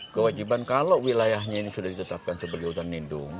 kewajiban kalau wilayahnya ini sudah ditetapkan sebagai hutan lindung